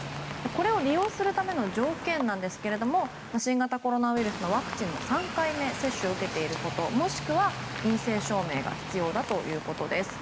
これを利用するための条件ですが新型コロナウイルスのワクチンの３回目接種を受けていることもしくは陰性証明が必要だということです。